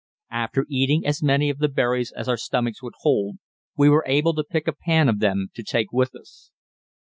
After eating as many of the berries as our stomachs would hold, we were able to pick a pan of them to take with us.